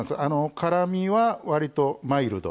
辛みは、わりとマイルド。